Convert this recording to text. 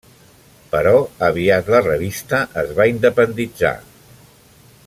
Però aviat la revista es va independitzar.